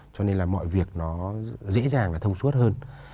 cho nên là mọi việc nó dễ dàng và thông suốt hơn